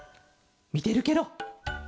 みてるケロ。